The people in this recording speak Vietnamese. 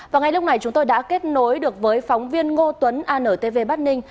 và ngay lúc này chúng tôi đã kết nối được với phóng viên ngô tuấn antv bắc ninh